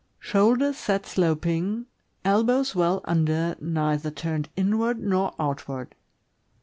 — Shoulders set sloping; elbows well under, neither turned inward nor outward.